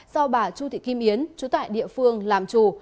do bà chu thị kim yến chú tại địa phương làm chủ